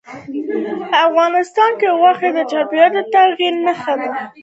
افغانستان کې غوښې د چاپېریال د تغیر نښه ده.